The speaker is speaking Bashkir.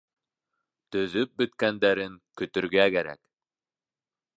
Төҙөп бөткәндәрен көтөргә кәрәк.